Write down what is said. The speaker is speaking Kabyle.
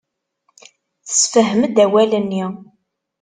Tessefhem-d awal-nni.